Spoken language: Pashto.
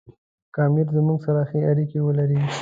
که امیر زموږ سره ښې اړیکې ولري.